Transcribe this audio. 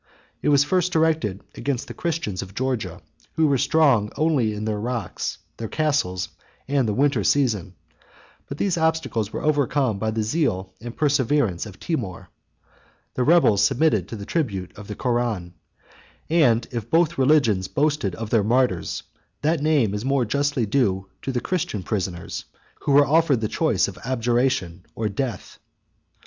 It was first directed against the Christians of Georgia, who were strong only in their rocks, their castles, and the winter season; but these obstacles were overcome by the zeal and perseverance of Timour: the rebels submitted to the tribute or the Koran; and if both religions boasted of their martyrs, that name is more justly due to the Christian prisoners, who were offered the choice of abjuration or death.